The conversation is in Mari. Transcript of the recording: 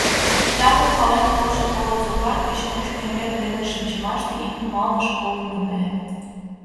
Жапым пален толшо колызо-влак кече мучко эҥыр дене шинчымаште ик нумалтыш колым наҥгаят.